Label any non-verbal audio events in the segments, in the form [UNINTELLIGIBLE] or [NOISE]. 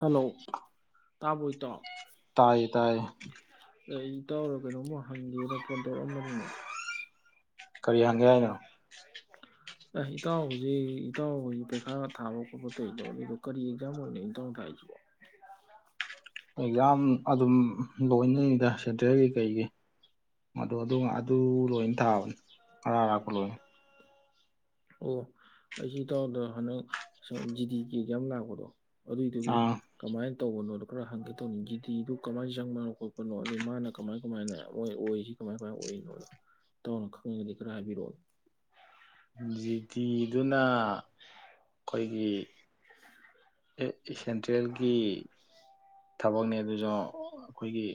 hello ꯇꯥꯕ꯭ꯔꯣ ꯏꯇꯥꯎ ꯇꯥꯏꯌꯦ ꯇꯥꯏꯌꯦ ꯑꯩ ꯏꯇꯥꯎ ꯗ ꯀꯩꯅꯣꯃ ꯍꯪꯒꯦꯅ ꯐꯣꯟꯇꯧꯔꯛꯑꯝꯕꯅꯤꯅꯦ ꯀꯔꯤ ꯍꯪꯒꯦ ꯍꯥꯏꯅꯣ ꯑ ꯏꯇꯥꯎ ꯍꯧꯖꯤꯛ ꯏꯇꯥꯎ ꯍꯧꯖꯤꯛ ꯄꯩꯈꯥ ꯊꯥꯕ ꯈꯣꯠꯄ ꯇꯧꯔꯤꯗꯣ ꯑꯗꯨꯗꯣ ꯀꯔꯤ ꯑꯦꯛꯖꯥꯝ ꯑꯣꯏꯅꯣ ꯏꯇꯥꯎ ꯊꯥꯔꯤꯁꯤꯕꯣ ꯑꯦꯛꯖꯥꯝ ꯑꯗꯨꯝ ꯂꯣꯏꯅꯅꯤꯗ ꯁꯦꯟꯇ꯭ꯔꯦꯜꯒꯤ ꯀꯩꯒꯤ ꯑꯗꯨ ꯑꯗꯨ ꯂꯣꯏꯅ ꯊꯥꯕꯅꯤ ꯑꯔꯥꯛ ꯑꯔꯥꯛꯄ ꯂꯣꯏꯅ ꯑꯣ ꯑꯩꯁꯤ ꯏꯇꯥꯎꯗ ꯍꯟꯗꯛ ꯖꯤꯗꯤ ꯒꯤ ꯑꯦꯛꯖꯥꯝ ꯂꯥꯛꯄꯗꯣ ꯑꯗꯨꯏꯗꯨꯒꯤ ꯑꯥ ꯀꯃꯥꯏꯅ ꯇꯧꯕꯅꯣꯗꯣ ꯈꯔ ꯍꯪꯒꯦ ꯇꯧꯕꯅꯤ ꯖꯤꯗꯤ ꯒꯤꯗꯨ ꯀꯃꯥꯏꯅ ꯆꯪꯕꯅꯣ ꯈꯣꯠꯄꯅꯣ ꯑꯗꯩ ꯃꯥꯅ ꯀꯃꯥꯏ ꯀꯃꯥꯏꯅ ꯃꯣꯏ ꯑꯣꯏꯁꯤ ꯀꯃꯥꯏ ꯀꯃꯥꯏꯅ ꯑꯣꯏꯔꯤꯅꯣ ꯏꯇꯥꯎꯅ ꯈꯪꯉꯒꯗꯤ ꯈꯔ ꯍꯥꯏꯕꯤꯔꯛꯑꯣ ꯕꯤꯖꯤꯇꯤ ꯑꯗꯨꯅ ꯑꯩꯈꯣꯏꯒꯤ ꯁꯦꯟꯇ꯭ꯔꯦꯜꯒꯤ ꯊꯕꯛꯅꯦ ꯑꯗꯨꯁꯨ ꯑꯩꯈꯣꯏꯒꯤ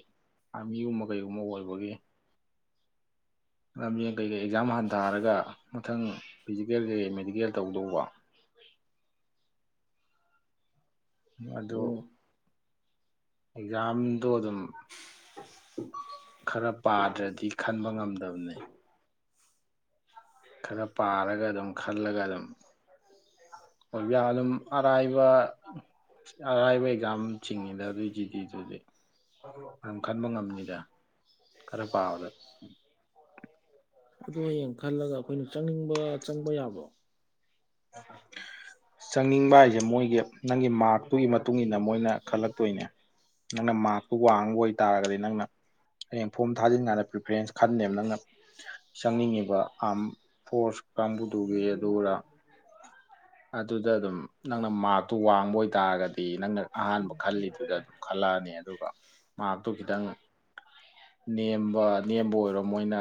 ꯑꯥꯔꯃꯤꯒꯨꯝꯕ ꯀꯩꯒꯨꯝꯕ ꯑꯣꯏꯕꯒꯤ ꯂꯝꯖꯦꯜ ꯀꯩꯀꯩ ꯑꯦꯛꯖꯥꯝ ꯍꯥꯟꯅ ꯊꯔꯒ ꯃꯊꯪ ꯐꯤꯖꯤꯀꯦꯜ ꯀꯩꯀꯩ ꯃꯦꯗꯤꯀꯦꯜ ꯇꯧꯗꯧꯕ ꯑꯗꯣ ꯑꯣ ꯑꯦꯛꯖꯥꯝꯗꯣ ꯑꯗꯨꯝ ꯈꯔ ꯄꯥꯗ꯭ꯔꯗꯤ ꯈꯟꯕ ꯉꯝꯗꯕꯅꯤ ꯈꯔ ꯄꯥꯔꯒ ꯑꯗꯨꯝ ꯈꯜꯂꯒ ꯑꯗꯨꯝꯕ ꯑꯗꯨꯝ ꯑꯔꯥꯏꯕ ꯑꯔꯥꯏꯕ ꯑꯦꯛꯖꯥꯝ ꯆꯤꯡꯉꯤꯗ ꯑꯗꯨꯏ ꯖꯤꯗꯤ ꯗꯨꯗꯤ ꯑꯗꯨꯝ ꯈꯟꯕ ꯉꯝꯅꯤꯗ ꯈꯔ ꯄꯥꯕꯗ ꯑꯗꯨ ꯍꯌꯦꯡ ꯈꯜꯂꯒ ꯑꯩꯈꯣꯏꯅ ꯆꯪꯅꯤꯡꯕ ꯆꯪꯕ ꯌꯥꯕ꯭ꯔꯣ ꯆꯪꯅꯤꯡꯕ ꯍꯥꯏꯁꯦ ꯃꯣꯏꯒꯤ ꯅꯪꯒꯤ ꯃꯥꯔꯛꯇꯨꯒꯤ ꯃꯇꯨꯡ ꯏ ꯃꯇꯨꯡꯏꯟꯅ ꯃꯣꯏꯅ ꯈꯜꯂꯛꯇꯣꯏꯅꯦ ꯅꯪꯅ ꯃꯥꯔꯛꯇꯨ ꯋꯥꯡꯕ ꯑꯣꯏꯇꯥꯥꯔꯒꯗꯤ ꯅꯪꯅ ꯍꯌꯦꯡ ꯐꯣꯝ ꯊꯥꯖꯤꯟꯀꯥꯟꯗ ꯄ꯭ꯔꯤꯐꯔꯦꯟꯁ ꯈꯟꯅꯦꯕ ꯅꯪꯅ ꯆꯪꯅꯤꯡꯉꯤꯕ ꯑꯥꯝ ꯐꯣꯔꯁ ꯀꯥꯡꯕꯨꯗꯨꯒꯤ ꯑꯗꯨꯅ ꯑꯗꯨꯗ ꯑꯗꯨꯝ ꯅꯪꯅ ꯃꯥꯔꯛꯇꯨ ꯋꯥꯡꯕ ꯑꯣꯏꯇꯥꯥꯔꯒꯗꯤ ꯅꯪꯅ ꯑꯍꯥꯟꯕ ꯈꯜꯂꯤꯗꯨꯗ ꯑꯗꯨꯝ ꯈꯜꯂꯛꯑꯅꯤ ꯑꯗꯨꯒ ꯃꯥꯔꯛꯇꯨ ꯈꯤꯇꯪ ꯅꯦꯝꯕ ꯅꯦꯝꯕ ꯑꯣꯏꯔꯣ ꯃꯣꯏꯅ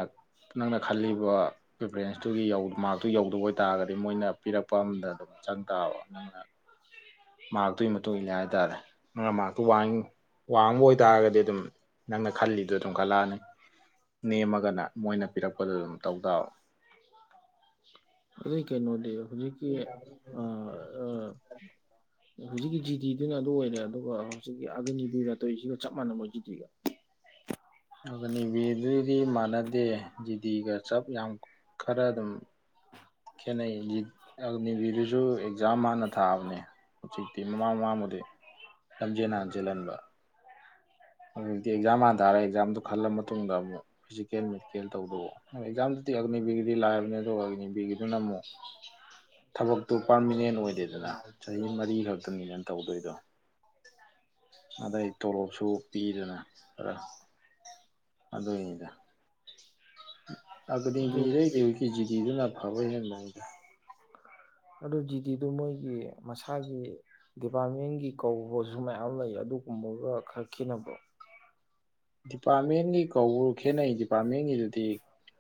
ꯅꯪꯅ ꯈꯜꯂꯤꯕ ꯄꯔꯤꯐꯔꯦꯟꯁꯇꯨꯒꯤ ꯃꯥꯔꯛꯇꯨ ꯌꯧꯗꯕ ꯑꯣꯏ ꯇꯥꯔꯒꯗꯤ ꯃꯣꯏꯅ ꯄꯤꯔꯛꯄ ꯑꯃꯗ ꯑꯗꯨꯝ ꯆꯪꯇꯥꯕ ꯅꯪꯅ ꯃꯥꯛꯔꯇꯨꯒꯤ ꯃꯇꯨꯡ ꯏꯜꯂꯦ ꯍꯥꯏꯇꯥꯔꯦ ꯅꯪꯅ ꯃꯥꯔꯛꯇꯨ ꯋꯥꯡꯕ ꯑꯣꯏꯇꯥꯥꯔꯒꯗꯤ ꯑꯗꯨꯝ ꯅꯪꯅ ꯈꯜꯂꯤꯗꯨꯣ ꯑꯗꯨꯝ ꯈꯜꯂꯛꯑꯅꯤ ꯅꯦꯝꯃꯒꯅ ꯃꯣꯏꯅ ꯄꯤꯔꯛꯄꯗ ꯑꯗꯨꯝ ꯇꯧ ꯇꯥꯕ ꯑꯗꯩ ꯀꯩꯅꯣꯗꯤ ꯍꯧꯖꯤꯛꯀꯤ ꯑ ꯑ [UNINTELLIGIBLE] ꯍꯧꯖꯤꯛꯀꯤ ꯖꯤꯗꯤꯗꯨꯅ ꯑꯗꯨ ꯑꯣꯏꯔꯦ ꯑꯗꯨꯒ ꯍꯧꯖꯤꯛꯀꯤ ꯑꯒꯅꯤꯕꯤꯔ ꯇꯣꯏꯁꯤꯒ ꯆꯞ ꯃꯥꯟꯅꯕꯣꯏ ꯖꯤꯗꯤꯒ ꯑꯒꯅꯤꯕꯤꯔ ꯗꯨꯗꯤ ꯃꯥꯟꯅꯗꯦ ꯖꯤꯗꯤꯒ ꯆꯞ ꯌꯥꯝ ꯈꯔ ꯑꯗꯨꯝ ꯈꯦꯅꯩ ꯑꯒꯅꯤꯕꯤꯔꯗꯨꯁꯨ ꯑꯦꯛꯖꯥꯝ ꯍꯥꯟꯅ ꯊꯥꯕꯅꯦ ꯍꯧꯖꯤꯛꯇꯤ ꯃꯃꯥꯡ ꯃꯃꯥꯡꯕꯨꯗꯤ ꯂꯝꯖꯦꯜ ꯍꯥꯟ ꯆꯦꯟꯍꯟꯕ ꯍꯧꯖꯤꯛꯇꯤ ꯑꯦꯛꯖꯥꯝ ꯍꯥꯟ ꯇꯥꯔꯦ ꯑꯦꯛꯖꯥꯝꯗꯨꯣ ꯈꯜꯂ ꯃꯇꯨꯡꯗ ꯑꯃꯨꯛ ꯐꯤꯖꯤꯀꯦꯜ ꯃꯦꯗꯤꯀꯦꯜ ꯇꯧꯗꯧꯕ ꯑꯦꯛꯖꯥꯝꯗꯨꯗꯤ ꯑꯒꯅꯤꯕꯤꯒꯤꯗꯤ ꯂꯥꯏꯕꯅꯤ ꯑꯗꯣ ꯑꯒꯅꯤꯕꯤꯒꯤꯗꯨꯅ ꯑꯃꯨꯛ ꯊꯕꯛꯇꯨ ꯄꯥꯔꯃꯤꯅꯦꯟ ꯑꯣꯏꯗꯦꯗꯅ ꯆꯍꯤ ꯃꯔꯤ ꯈꯛꯇꯅꯤꯅ ꯇꯧꯗꯣꯏꯗꯣ ꯑꯗꯩ ꯇꯣꯂꯣꯞꯁꯨ ꯄꯤꯗꯅ ꯑꯗꯣ ꯑꯗꯨꯏꯅꯤꯗ ꯑꯗꯨ ꯑꯒꯅꯤꯕꯤꯔ ꯗꯩꯗꯤ ꯖꯤꯗꯤꯗꯨꯅ ꯐꯕ ꯍꯦꯟꯕꯅꯤꯗ ꯑꯗꯨ ꯖꯤꯗꯤꯗꯨ ꯃꯣꯏꯒꯤ ꯃꯁꯥꯒꯤ ꯗꯤꯄꯥꯔꯠꯃꯦꯟꯒꯤ ꯀꯧꯕꯁꯨ ꯃꯌꯥꯝ ꯂꯩ ꯑꯗꯨꯒꯨꯝꯕꯒ ꯈꯔ ꯈꯦꯠꯅꯕꯣ ꯗꯤꯄꯥꯔꯠꯃꯦꯟꯒꯤ ꯀꯧꯕ ꯈꯦꯠꯅꯩ ꯗꯤꯄꯥꯔꯠꯃꯦꯟꯒꯤꯗꯨꯗꯤ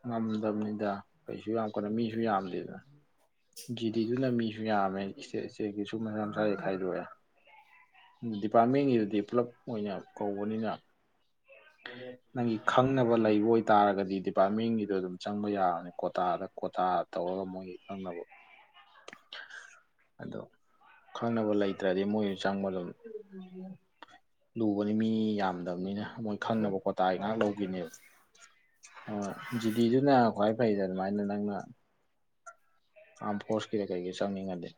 ꯉꯝꯗꯕꯅꯤꯗ ꯀꯩꯁꯨ ꯌꯥꯝ ꯀꯅ ꯃꯤꯁꯨ ꯌꯥꯝꯗꯦꯗꯅ ꯖꯤꯗꯤꯗꯨꯅ ꯃꯤꯁꯨ ꯌꯥꯝꯃꯦ ꯏꯁꯇꯦꯠ ꯏꯁꯇꯦꯠꯀꯤꯁꯨ ꯃꯁꯥ ꯃꯁꯥ ꯌꯥ ꯈꯥꯏꯗꯣꯛꯑꯦ ꯗꯤꯄꯥꯔꯠꯃꯦꯟꯒꯤꯗꯨꯗꯤ ꯄꯨꯂꯞ ꯑꯣꯏꯅ ꯀꯧꯕꯅꯤꯅ ꯅꯪꯒꯤ ꯈꯪꯅꯕ ꯂꯩꯕ ꯑꯣꯏꯇꯥꯥꯔꯒꯗꯤ ꯗꯤꯄꯥꯔꯠꯃꯦꯟꯒꯤꯗꯣ ꯑꯗꯨꯝ ꯆꯪꯕ ꯌꯥꯕꯅꯤ ꯀꯣꯇꯥꯗ ꯀꯣꯇꯥ ꯇꯧꯔꯒ ꯃꯣꯏꯒꯤ ꯈꯪꯅꯕ ꯑꯗꯣ ꯈꯪꯅꯕ ꯂꯩꯇ꯭ꯔꯗꯤ ꯃꯣꯏꯁꯨ ꯆꯪꯕ ꯑꯗꯨꯝ ꯂꯨꯕꯅꯤ ꯃꯤ ꯌꯥꯝꯗꯕꯅꯤꯅ ꯈꯪꯅꯕ ꯀꯣꯇꯥꯐ ꯉꯥꯛ ꯂꯧꯕꯤꯅꯦꯕ ꯖꯤꯗꯤꯗꯨꯅ ꯈ꯭ꯋꯥꯏ ꯐꯩꯗ ꯑꯗꯨꯃꯥꯏꯅ ꯅꯪꯅ ꯑꯥꯝ ꯐꯣꯔꯁꯀꯤꯗ ꯀꯩꯒꯤ ꯆꯪꯅꯤꯡꯉꯅꯤ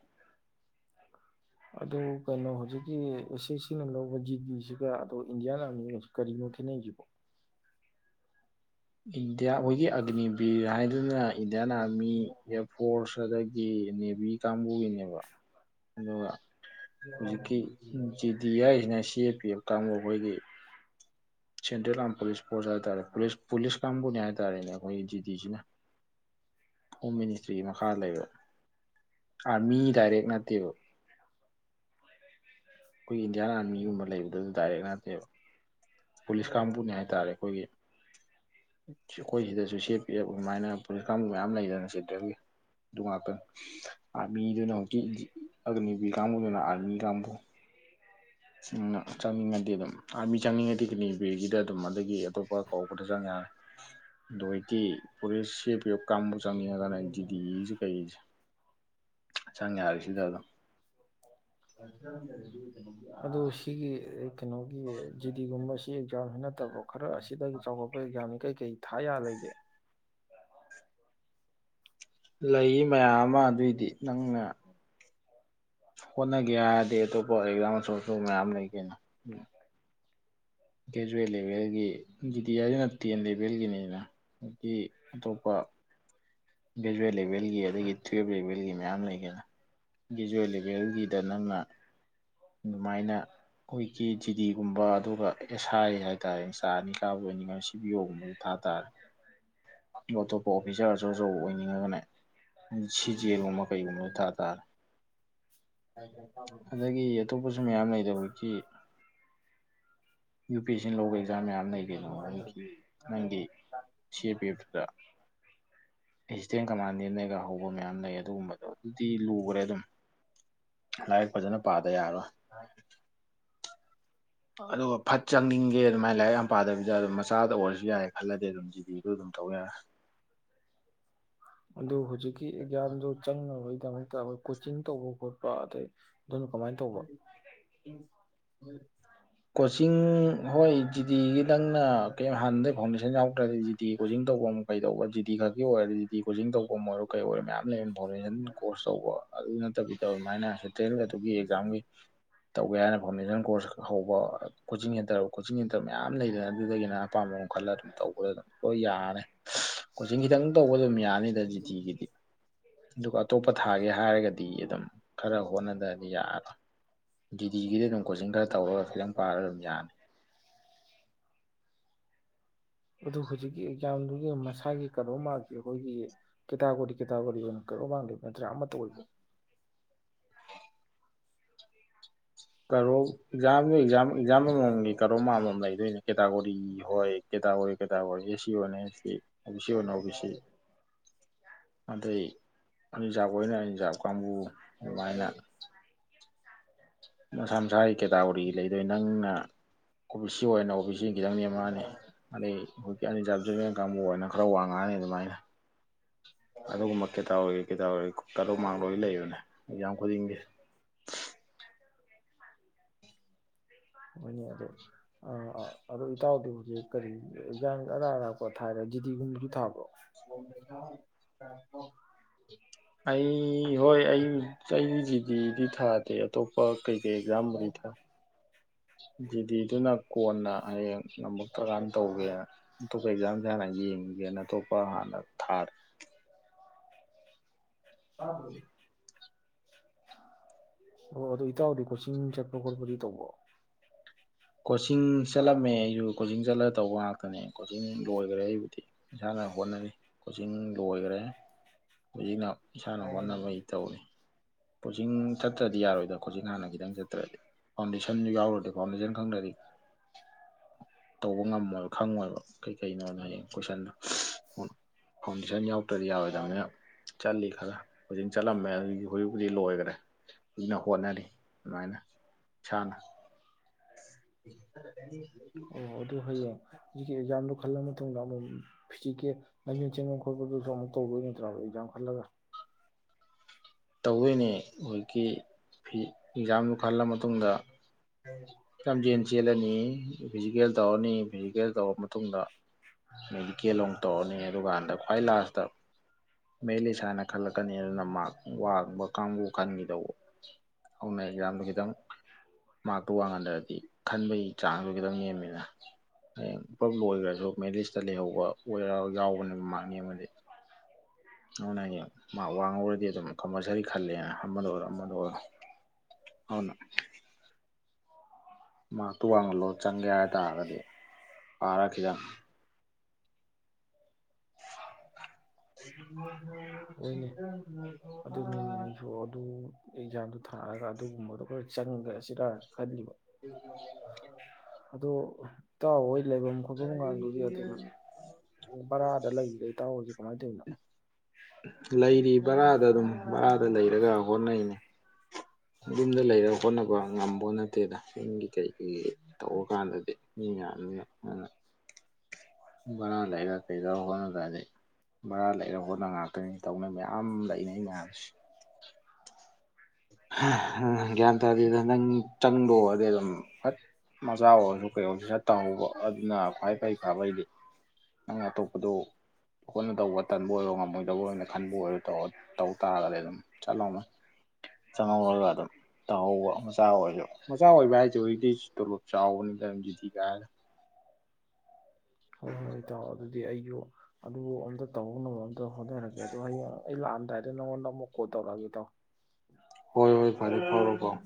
ꯑꯗꯨ ꯀꯩꯅꯣ ꯍꯧꯖꯤꯛꯀꯤ ꯑꯦꯁ ꯑꯦꯁ ꯁꯤꯅ ꯂꯧꯕ ꯖꯤꯗꯤ ꯁꯤꯒ ꯑꯗꯣ ꯏꯟꯗꯤꯌꯥꯟ ꯑꯥꯔꯃꯤꯒꯁꯨ ꯀꯔꯤꯅꯣ ꯈꯦꯠꯅꯩ ꯁꯤꯕꯣ ꯏꯟꯗꯤꯌꯥ ꯑꯈꯣꯏꯒꯤ ꯑꯒꯅꯤꯕꯤꯔ ꯍꯥꯏꯗꯨꯅ ꯏꯟꯗꯤꯌꯥꯟ ꯑꯥꯔꯃꯤ ꯏꯌꯥꯔ ꯐꯣꯔꯁ ꯑꯗꯒꯤ ꯅꯦꯚꯤ ꯀꯥꯡꯕꯨꯒꯤꯅꯦꯕ ꯑꯗꯨꯒ ꯍꯧꯖꯤꯛꯀꯤ ꯖꯤ ꯗꯤ ꯍꯥꯏꯁꯤꯅ ꯁꯤ ꯑꯦ ꯄꯤ ꯑꯦꯐ ꯀꯥꯡꯕꯨ ꯈꯣꯏꯒꯤ ꯁꯦꯟꯇ꯭ꯔꯦꯜ ꯑꯥꯔꯝ ꯄꯨꯂꯤꯁ ꯐꯣꯔꯁ ꯍꯥꯏꯕ ꯇꯥꯔꯦ ꯄꯨꯁ ꯄꯨꯂꯤꯁ ꯀꯥꯡꯕꯨꯅꯦ ꯍꯥꯏ ꯇꯥꯔꯦꯅꯦ ꯃꯣꯏ ꯖꯤꯗꯤ ꯁꯤꯅ ꯍꯣꯝ ꯃꯤꯅꯤꯁꯇ꯭ꯔꯤꯒꯤ ꯃꯈꯥ ꯂꯩꯕ ꯑꯥꯔꯃꯤ ꯗꯥꯏꯔꯦꯛ ꯅꯠꯇꯦꯕ ꯑꯈꯣꯏꯒꯤ ꯏꯟꯗꯤꯌꯥꯟ ꯑꯥꯔꯃꯤꯒꯨꯝꯕ ꯂꯩꯕꯗꯨꯁꯨ ꯗꯥꯏꯔꯦꯛ ꯅꯠꯇꯦꯕ ꯄꯨꯂꯤꯁ ꯀꯥꯡꯕꯨꯅꯦ ꯍꯥꯏ ꯇꯥꯔꯦ ꯑꯩꯈꯣꯏꯒꯤ ꯑꯩꯈꯣꯏ ꯁꯤꯗꯁꯨ ꯁꯦꯞ ꯄꯤꯔꯞ ꯑꯗꯨꯃꯥꯏꯅ ꯄꯨꯂꯤꯁ ꯀꯥꯡꯕꯨ ꯃꯌꯥꯝ ꯂꯩꯗꯅ ꯁꯦꯟꯇ꯭ꯔꯦꯜꯒꯤ ꯑꯗꯨ ꯉꯥꯛꯇꯅꯤ ꯑꯥꯔꯃꯤꯗꯨꯅ ꯍꯧꯖꯤꯛꯀꯤ ꯑꯒꯅꯦꯕꯤꯔ ꯀꯥꯡꯕꯨꯗꯨꯅ ꯑꯥꯔꯃꯤ ꯀꯥꯡꯕꯨ ꯆꯪꯅꯤꯡꯉꯗꯤ ꯑꯗꯨꯝ ꯑꯥꯔꯃꯤ ꯆꯪꯅꯤꯡꯉꯗꯤ ꯑꯒꯅꯤꯕꯤꯔꯒꯤꯗ ꯑꯗꯨꯝ ꯑꯗꯒꯤ ꯑꯇꯣꯞꯄ ꯀꯧꯕꯗ ꯆꯪ ꯌꯥꯔꯦ ꯑꯗꯖꯤꯛꯇꯤ ꯄꯨꯁ ꯁ ꯀꯥꯡꯕꯨ ꯆꯪꯅꯤꯡꯉꯒꯅ ꯖꯤꯗꯤꯁꯤ ꯀꯩꯁꯦ ꯆꯪ ꯌꯥꯔꯦ ꯁꯤꯗ ꯑꯗꯨꯝ ꯑꯗꯨ ꯁꯤꯒꯤ ꯀꯩꯅꯣꯒꯤ ꯖꯤꯗꯤꯒꯨꯝꯕ ꯁꯤ ꯑꯦꯛꯖꯥꯝꯁꯤ ꯅꯠꯇꯕ ꯈꯔ ꯑꯁꯤꯗꯒꯤ ꯆꯥꯎꯈꯠꯄ ꯑꯦꯛꯖꯥꯝꯅꯤ ꯀꯩ ꯀꯩ ꯊꯥꯌꯥ ꯂꯩꯒꯦ ꯂꯩ ꯃꯌꯥꯝ ꯑꯃ ꯑꯗꯨꯏꯗꯤ ꯅꯪꯅ ꯍꯣꯠꯅꯒꯦ ꯍꯥꯏꯔꯗꯤ ꯑꯇꯣꯞꯄ ꯑꯦꯛꯖꯥꯝ ꯑꯆꯧ ꯑꯆꯧꯕ ꯃꯌꯥꯝ ꯂꯩ ꯀꯩꯅꯣ ꯒ꯭ꯔꯦꯖꯨꯋꯦꯠ ꯂꯦꯚꯦꯜꯒꯤ ꯖꯤꯗꯤ ꯍꯥꯏꯁꯤꯅ ꯇꯦꯟ ꯂꯦꯚꯦꯜꯒꯤꯅꯤꯅ ꯑꯗꯒꯤ ꯑꯇꯣꯞꯄ ꯒ꯭ꯔꯦꯖꯨꯋꯦꯠ ꯂꯦꯚꯦꯜꯒꯤ ꯑꯗꯒꯤ ꯇꯨꯋꯦꯞ ꯂꯦꯚꯦꯜꯒꯤ ꯃꯌꯥꯝ ꯂꯩꯒꯦꯅ ꯒ꯭ꯔꯦꯖꯨꯋꯦꯠ ꯂꯦꯚꯦꯜꯒꯤꯗ ꯅꯪꯅ ꯑꯗꯨꯃꯥꯏꯅ ꯑꯩꯈꯣꯏꯀꯤ ꯖꯤꯗꯤꯒꯨꯝꯕ ꯑꯗꯨꯒ ꯑꯦꯁ ꯑꯥꯏ ꯍꯥꯏꯇꯥꯔꯦ ꯏꯆꯥ ꯑꯅꯤ ꯀꯥꯕꯨ ꯑꯣꯏꯅꯤꯡꯉꯅ ꯁꯤ ꯕꯤ ꯑꯣ ꯒꯨꯝꯕꯗ ꯊꯥ ꯇꯥꯔꯦ ꯑ ꯑꯇꯣꯞꯄ ꯑꯣꯐꯤꯁꯥꯔ ꯑꯆꯧ ꯑꯆꯧꯕ ꯑꯣꯏꯅꯤꯡꯉꯒꯅ ꯁꯤ ꯖꯦꯜ ꯒꯨꯝꯕ ꯀꯩꯒꯨꯝꯕꯗꯨ ꯊꯥ ꯇꯥꯔꯦ ꯑꯗꯒꯤ ꯑꯇꯣꯞꯄꯁꯨ ꯃꯌꯥꯝ ꯂꯩꯗ ꯍꯧꯒꯤ ꯌꯨ ꯄꯤ ꯑꯦꯁ ꯁꯤꯅ ꯂꯧꯕ ꯑꯦꯛꯖꯥꯝ ꯃꯌꯥꯝ ꯂꯩ ꯀꯩꯅꯣ ꯑꯗꯨ ꯅꯒꯤ ꯅꯪꯒꯤ ꯁꯤ ꯑꯦ ꯄꯤ ꯑꯦꯐꯇꯨꯗ ꯑꯦꯁꯤꯁꯇꯦꯟ ꯀꯃꯥꯟꯗꯦꯟꯅꯒ ꯍꯧꯕ ꯃꯌꯥꯝ ꯂꯩ ꯑꯗꯨꯒꯨꯝꯕꯗꯣ ꯑꯗꯨꯗꯤ ꯂꯨꯈ꯭ꯔꯦ ꯑꯗꯨꯝ ꯂꯥꯏꯔꯤꯛ ꯐꯖꯅ ꯄꯥꯗ ꯌꯥꯔꯣꯏ ꯑꯗꯨꯒ ꯐꯠ ꯆꯪꯅꯤꯡꯒꯦ ꯑꯗꯨꯃꯥꯏꯅ ꯂꯥꯏꯔꯤꯛ ꯌꯥꯝ ꯄꯥꯗꯕꯤꯗꯥ ꯑꯗꯨꯝ ꯃꯆꯥꯗ ꯑꯣꯏꯔꯁꯨ ꯌꯥꯔꯦ ꯈꯜꯂꯗꯤ ꯑꯗꯨꯝ ꯖꯤꯗꯤꯗꯨ ꯑꯗꯨꯝ ꯇꯧꯕ ꯌꯥꯔꯦ ꯑꯗꯨꯕꯨ ꯍꯧꯖꯤꯛꯀꯤ ꯒ꯭ꯌꯥꯟꯗꯨ ꯆꯪꯉꯣꯏ [UNINTELLIGIBLE] ꯀꯣꯆꯤꯡ ꯇꯧꯕ ꯈꯣꯠꯄ ꯑꯗꯩ ꯑꯗꯨꯅ ꯀꯃꯥꯏ ꯇꯧꯕ ꯀꯣꯆꯤꯡ ꯍꯣꯏ ꯖꯤꯗꯤꯒꯤ ꯅꯪꯅ ꯀ ꯍꯥꯟꯅꯗꯒꯤ ꯐꯥꯎꯟꯗꯦꯁꯟ ꯌꯥꯎꯛꯇ꯭ꯔꯗꯤ ꯖꯤꯗꯤ ꯀꯣꯆꯤꯡ ꯇꯧꯕ ꯀꯩ ꯇꯧꯕ ꯖꯤꯗꯤ ꯈꯛꯀꯤ ꯑꯣꯏꯔꯗꯤ ꯖꯤꯗꯤ ꯀꯣꯆꯤꯡ ꯇꯧꯕ ꯑꯣꯏꯔꯣ ꯀꯩ ꯑꯣꯏꯔꯣ ꯃꯌꯥꯝ ꯂꯩꯕ ꯐꯥꯎꯟꯗꯦꯁꯟ ꯀꯣꯔꯁ ꯇꯧꯕ ꯑꯗꯨ ꯅꯠꯇꯕꯤꯗ ꯑꯗꯨꯃꯥꯏꯅ ꯁꯦꯟꯇ꯭ꯔꯦꯜ ꯑꯗꯨꯒꯤ ꯑꯦꯛꯖꯥꯝꯒꯤ ꯇꯧꯒꯦ ꯍꯥꯏꯅ ꯐꯥꯎꯟꯗꯦꯁꯟ ꯀꯣꯔꯁ ꯍꯧꯕ ꯀꯣꯆꯤꯡ ꯁꯦꯟꯇꯔ ꯀꯣꯆꯤꯡ ꯁꯦꯟꯇꯔ ꯃꯌꯥꯝ ꯂꯩꯗꯅ ꯑꯗꯨꯗꯒꯤꯅ ꯑꯄꯥꯝꯕ ꯈꯜꯂ ꯑꯗꯨꯝ ꯇꯧꯕꯗ ꯑꯗꯨꯝ ꯂꯣꯏ ꯌꯥꯔꯅꯤ ꯀꯣꯆꯤꯡ ꯈꯤꯇꯪ ꯇꯧꯕ ꯑꯗꯨꯝ ꯌꯥꯅꯤꯗ ꯖꯤꯗꯤꯒꯤꯗꯤ ꯑꯗꯨꯒ ꯑꯇꯣꯞꯄ ꯊꯥꯒꯦ ꯍꯥꯏꯔꯒꯗꯤ ꯑꯗꯨꯝ ꯈꯔ ꯍꯣꯠꯅꯗꯗꯤ ꯌꯥꯔ ꯖꯤꯗꯤꯒꯤꯗꯤ ꯑꯗꯨꯝ ꯀꯣꯆꯤꯡ ꯈꯔ ꯇꯧꯔꯒ ꯈꯤꯇꯪ ꯄꯥꯔꯒ ꯑꯗꯨꯝ ꯌꯥꯅꯤ ꯑꯗꯨ ꯍꯧꯖꯤꯛꯀꯤ ꯌꯥꯝꯗꯨꯒꯤ ꯃꯁꯥꯒꯤ ꯀꯩꯅꯣꯝꯃ ꯑꯩꯈꯣꯏꯒꯤ ꯀꯦꯇꯥꯒꯣꯔꯤ ꯀꯦꯇꯥꯒꯣꯔꯤ ꯑꯣꯏꯅ ꯀꯩꯅꯣ ꯃꯥꯡꯗꯣꯏꯕ ꯅꯠꯇ꯭ꯔꯥ ꯑꯃꯠꯇ ꯑꯣꯏꯕ ꯀꯔꯣ ꯑꯦꯛꯖꯥꯝꯗꯨꯥ ꯑꯦꯛꯖꯥꯝ ꯑꯃꯃꯝꯒꯤ ꯀꯔꯣ ꯑꯃꯃꯝ ꯂꯩꯗꯣꯏꯅꯦ ꯀꯦꯇꯥꯒꯣꯔꯤ ꯍꯣꯏ ꯀꯦꯇꯥꯒꯣꯔꯤ ꯀꯦꯇꯥꯒꯣꯔꯤ ꯑꯦ ꯁꯤ ꯑꯣꯏꯅ ꯑꯦ ꯁꯤ ꯑꯣ ꯕꯤ ꯁꯤ ꯑꯣꯏꯅ ꯑꯣ ꯕꯤ ꯁꯤ ꯑꯗꯩ ꯑꯔꯤꯖꯥꯕ ꯑꯣꯏꯅ ꯑꯔꯤꯖꯥꯕ ꯀꯥꯡꯕꯨ ꯑꯗꯨꯃꯥꯏꯅ ꯃꯁꯥ ꯃꯁꯥꯒꯤ ꯀꯦꯇꯥꯒꯣꯔꯤ ꯂꯩꯗꯣꯏ ꯅꯪꯅ ꯑꯣ ꯕꯤ ꯁꯤ ꯑꯣꯏꯅ ꯑꯣ ꯕꯤ ꯁꯤ ꯈꯤꯇꯪ ꯅꯦꯝꯃꯅꯤ ꯑꯗꯩ ꯍꯧꯖꯤꯛ ꯑꯟꯔꯤꯖꯥꯕ ꯖꯨꯅꯤꯌꯔ ꯀꯥꯡꯕꯨ ꯑꯣꯏꯅ ꯈꯔ ꯋꯥꯡꯉꯥꯡꯅꯤ ꯑꯗꯨꯃꯥꯏꯅ ꯑꯗꯨꯒꯨꯝꯕ ꯀꯦꯇꯥꯒꯣꯔꯤ ꯀꯦꯇꯥꯒꯣꯔꯤ ꯀꯠ ꯑꯣꯞ ꯃꯥꯛ ꯂꯣꯐꯅ ꯂꯩꯕꯅꯦ ꯑꯦꯛꯖꯥꯝ ꯈꯨꯗꯤꯡꯒꯤ [UNINTELLIGIBLE] ꯃꯅꯦ ꯑꯗꯨ ꯑ ꯑ ꯑꯗꯨꯣ ꯏꯇꯥꯎꯗꯤ ꯍꯧꯖꯤꯛ ꯀꯔꯤ ꯌꯦꯟꯖꯥꯡ ꯑꯔꯥ ꯑꯔꯥꯄ ꯊꯥꯏꯔꯦ ꯖꯤꯗꯤꯤꯒꯨꯝꯕꯁꯨ ꯊꯥꯕꯣ ꯑꯩ ꯍꯣꯏ ꯑꯩ ꯑꯩꯁꯤꯗꯤꯗꯤ ꯊꯥꯗꯦ ꯑꯇꯣꯞꯄ ꯀꯩꯀꯩ ꯑꯦꯛꯖꯥꯝꯕꯨꯗꯤ ꯊꯥ ꯗꯤꯗꯤꯗꯨꯅ ꯀꯣꯟꯅ ꯍꯌꯦꯡ ꯅꯝꯃꯛꯇ꯭ꯔꯀꯥꯟꯗ ꯇꯧꯒꯦ ꯑꯇꯣꯞꯄ ꯑꯦꯛꯖꯥꯝꯁꯦ ꯍꯥꯟꯅ ꯌꯦꯡꯒꯦꯅ ꯑꯇꯣꯞꯄ ꯍꯥꯟꯅ ꯊꯥꯔꯦ ꯀꯔ ꯑꯣ ꯑꯗꯨꯗꯣ ꯏꯇꯥꯎꯗꯤ ꯀꯣꯆꯤꯡ ꯆꯠꯄ ꯈꯣꯠꯄꯗꯤ ꯇꯧꯕ ꯀꯣꯆꯤꯡ ꯆꯠꯂꯝꯃꯦ ꯑꯩꯁꯨ ꯀꯣꯆꯤꯡ ꯆꯠꯂꯒ ꯇꯧꯕ ꯉꯥꯛꯇꯅꯦ ꯀꯣꯆꯤꯡ ꯂꯣꯏꯈ꯭ꯔꯦ ꯑꯩꯕꯨꯗꯤ ꯏꯁꯥꯅ ꯍꯣꯠꯅꯔꯤ ꯀꯣꯆꯤꯡ ꯂꯣꯏꯈ꯭ꯔꯦ ꯍꯧꯖꯤꯛꯅ ꯏꯁꯥꯅ ꯍꯣꯠꯅꯕꯩ ꯇꯧꯔꯤ ꯀꯣꯆꯤꯡ ꯆꯠꯇ꯭ꯔꯗꯤ ꯌꯥꯔꯣꯏꯗ ꯀꯣꯆꯤꯡ ꯍꯥꯟꯅ ꯈꯤꯇꯪ ꯆꯠꯇ꯭ꯔꯗꯤ ꯐꯥꯎꯟꯗꯦꯁꯟ ꯌꯥꯎꯔꯗꯤ ꯐꯥꯎꯟꯗꯦꯁꯟ ꯈꯪꯗ꯭ꯔꯗꯤ ꯇꯧꯕ ꯉꯝꯃꯣꯏ ꯈꯪꯉꯣꯏꯕ ꯀꯩꯀꯩꯅꯣꯅ ꯍꯌꯦꯡ ꯀꯣꯏꯁꯟꯗꯣ ꯐꯥꯎꯟꯗꯦꯁꯟ ꯌꯥꯎꯗ꯭ꯔꯗꯤ ꯌꯥꯔꯣꯏꯗꯕꯅꯤꯅ ꯆꯠꯂꯤ ꯈꯔ ꯀꯣꯆꯤꯡ ꯆꯠꯂꯝꯃꯦ ꯑꯗꯨꯒꯤ ꯍꯧꯖꯤꯛ ꯍꯧꯖꯤꯛ ꯂꯣꯏꯈꯔꯦ ꯀꯅ ꯍꯣꯠꯅꯔꯤ ꯑꯗꯨꯃꯥꯏꯅ ꯏꯁꯥꯅ ꯑꯣ ꯑꯗꯨ ꯍꯌꯦꯡ ꯍꯧꯖꯤꯛꯀꯤ ꯑꯦꯛꯖꯥꯝꯗꯨꯣ ꯈꯜꯂ ꯃꯇꯨꯡꯗ ꯑꯃꯨꯛ ꯐꯤꯖꯤꯛꯀꯤꯦ ꯂꯝꯥꯏꯃꯤꯣꯟ ꯆꯦꯟꯐꯝ ꯈꯣꯠꯄꯗꯨꯁꯨ ꯑꯃꯨꯛ ꯇꯧꯕꯗꯣꯏ ꯅꯠꯇ꯭ꯔꯥ ꯑꯦꯛꯖꯥꯝ ꯈꯜꯂꯒ ꯇꯧꯗꯣꯏꯅꯤ ꯍꯧꯖꯤꯛꯀꯤ ꯑꯦꯛꯖꯥꯝꯗꯨ ꯈꯜꯂ ꯃꯇꯨꯡꯗ ꯂꯝꯖꯦꯜ ꯆꯦꯜꯂꯅꯤ ꯐꯤꯖꯤꯀꯦꯜ ꯇꯧꯔꯅꯤ ꯐꯤꯖꯤꯀꯦꯜ ꯇꯧꯔ ꯃꯇꯨꯡꯗ ꯃꯦꯗꯤꯀꯦꯜ ꯑꯃꯨꯛ ꯇꯧꯔꯅꯤ ꯑꯗꯨꯀꯥꯟꯗ ꯈ꯭ꯋꯥꯏ ꯂꯥꯁꯇ ꯃꯦ ꯑꯦꯂꯤꯁꯥꯟꯅ ꯈꯜꯂꯛꯀꯅꯤ ꯑꯗꯨꯅ ꯃꯥꯔꯛ ꯋꯥꯡꯕ ꯀꯥꯡꯕꯨ ꯈꯟꯈꯤꯗꯧꯕ ꯑꯗꯨꯅ ꯑꯦꯛꯖꯥꯝꯗꯨ ꯈꯤꯇꯪ ꯃꯥꯔꯛꯇꯨ ꯋꯥꯡꯍꯟꯗ꯭ꯔꯗꯤ ꯈꯟꯕꯒꯤ ꯆꯥꯡꯁꯨ ꯈꯤꯇꯪ ꯅꯦꯝꯃꯤꯅ ꯍꯌꯦꯡ ꯄꯨꯂꯞ ꯂ ꯑꯣꯏꯈ꯭ꯔꯁꯨ ꯃꯦꯂꯤꯁꯇ ꯂꯩꯍꯧꯕ ꯑꯣꯏꯔ ꯌꯥꯎꯕꯅꯦꯕ ꯃꯥꯔꯛꯅꯦ ꯑꯃꯗꯤ ꯑꯗꯨꯅ ꯍꯌꯦꯡ ꯃꯥꯔ ꯋꯥꯡꯍꯧꯨꯔꯗꯤ ꯑꯗꯨꯝ ꯀꯝꯄꯜꯁꯔꯤ ꯈꯜꯂꯦꯅ ꯑꯃꯗ ꯑꯣꯏꯔꯣ ꯑꯃꯗ ꯑꯣꯏꯔꯣ ꯑꯗꯨꯅ ꯃꯥ ꯇꯨ ꯋꯥꯡꯍꯜꯂꯣ ꯆꯪꯒꯦ ꯍꯥꯏꯇꯥꯥꯔꯒꯗꯤ ꯐꯥꯔꯈꯤꯗꯪ ꯑꯩ ꯍꯣꯏꯅꯦ ꯑꯗꯨꯅꯤꯅꯦ ꯑꯩꯁꯨ ꯑꯗꯨ ꯑꯦꯛꯖꯥꯝꯗꯨ ꯊꯥꯔꯒ ꯑꯗꯨꯒꯨꯝꯕꯗꯣ ꯈꯔ ꯆꯪꯈ꯭ꯔꯁꯤꯔ ꯈꯜꯂꯤꯕ ꯑꯗꯣ ꯇꯣꯏ ꯂꯩꯐꯝ ꯈꯣꯠꯐꯝꯒꯗꯨꯗꯤ ꯑꯗꯨꯝ ꯕꯔꯥꯗ ꯂꯩꯔꯤꯗꯩ ꯇꯥꯎꯔꯁꯤꯦ ꯀꯃꯥꯏꯅ ꯇꯧꯔꯤꯅꯣ ꯂꯩꯔꯤ ꯕꯔꯥꯗ ꯑꯗꯨꯝ ꯕꯔꯥꯗ ꯂꯩꯔꯒ ꯍꯣꯠꯅꯩꯅꯦ ꯌꯨꯝꯗ ꯂꯩꯔ ꯍꯣꯠꯅꯕ ꯉꯝꯕꯣ ꯅꯠꯇꯦꯗ ꯌꯤꯡꯒꯤ ꯀꯩꯀꯩ ꯇꯧꯔꯀꯥꯟꯗꯗꯤ ꯃꯤ ꯌꯥꯝꯅ ꯕꯔꯥ ꯂꯩꯔ ꯀꯩꯗꯧꯔ ꯍꯣꯠꯅꯗ꯭ꯔꯗꯤ ꯚꯔꯥ ꯂꯩꯔꯒ ꯍꯣꯠꯅ ꯉꯥꯛꯇꯅꯤ ꯇꯧꯅꯩ ꯃꯌꯥꯝ ꯂꯩꯅꯩ ꯃꯌꯥꯝꯁꯦ ꯒ꯭ꯌꯥꯟ ꯇꯥꯗꯦꯗ ꯅꯪ ꯆꯪꯗꯣꯛ ꯑꯣꯏꯔꯗꯤ ꯑꯗꯨꯝ ꯐꯠ ꯃꯆꯥ ꯑꯣꯏꯔꯁꯨ ꯀꯩ ꯑꯣꯏꯧꯔꯁꯨ ꯁꯠ ꯇꯝꯍꯧꯕ ꯑꯗꯨꯅ ꯈ꯭ꯋꯥꯏ ꯐꯩ ꯐꯕꯩꯗꯤ ꯅꯪ ꯑꯇꯣꯞꯄꯗꯣ ꯍꯣꯠꯅ ꯇꯧꯕ ꯇꯟꯕ ꯑꯣꯏꯔꯣ ꯉꯝꯃꯣꯏꯗꯧꯕ ꯑꯣꯏꯅ ꯈꯟꯕ ꯑꯣꯏꯔꯣꯧ ꯇꯧ ꯇꯥꯔꯒꯗꯤ ꯑꯗꯨꯝ ꯆꯠꯍꯧꯅ ꯆꯪꯍꯧꯔꯒ ꯑꯗꯨꯝ ꯇꯧꯍꯧꯕ ꯃꯆꯥ ꯑꯣꯏꯔꯁꯨ ꯃꯆꯥ ꯑꯣꯏꯕ ꯍꯥꯏꯁꯦ ꯍꯧꯖꯤꯛꯇꯗꯤ ꯇꯣꯂꯣꯞ ꯆꯥꯎꯕꯅꯤꯗꯖꯤꯗꯤꯤ ꯀꯥꯏꯔꯦ ꯍꯣꯏ ꯍꯣꯏ ꯏ ꯇꯥꯎꯑꯣ ꯑꯗꯨꯗꯤ ꯑꯩꯁꯨ ꯑꯗꯨꯕꯨ ꯑꯝꯇ ꯇꯧꯕ ꯉꯝꯃ ꯑꯗꯣ ꯍꯣꯠꯅꯔꯒꯦꯗꯣ ꯍ ꯑꯩ ꯂꯥꯛꯑꯝꯗꯥꯏ ꯅ ꯋꯥꯅ ꯃꯨꯀꯣ ꯇꯧ ꯂꯒꯦ ꯇ ꯍꯣꯏ ꯍꯣꯏ ꯐꯔꯦ ꯐꯔꯣ ꯐꯥꯎ